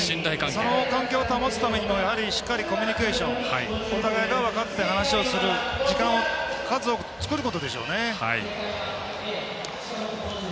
その関係を保つためにはしっかりコミュニケーションお互いが分かって話をする時間を数多く作ることでしょうね。